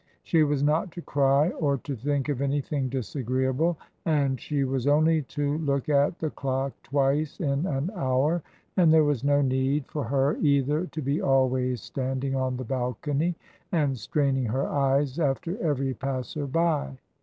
She was not to cry or to think of anything disagreeable, and she was only to look at the clock twice in an hour, and there was no need for her either to be always standing on the balcony and straining her eyes after every passer by.